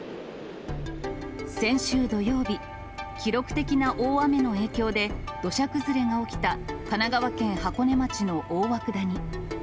先週土曜日、記録的な大雨の影響で、土砂崩れが起きた神奈川県箱根町の大涌谷。